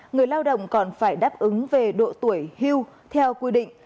người lao động còn phải đáp ứng về độ tuổi hưu theo quy định